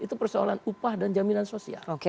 itu persoalan upah dan jaminan sosial